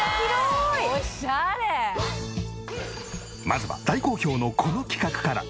まずは大好評のこの企画から。